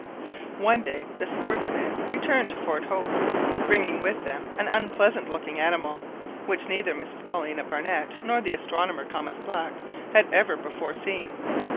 One day the sportsmen returned to Fort Hope, bringing with them an unpleasant looking animal, which neither Mrs Paulina Barnett nor the astronomer, Thomas Black, had ever before seen.